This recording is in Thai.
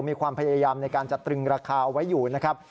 มีความพยายามในการจะตรึงราคาเอาไว้อยู่นะครับ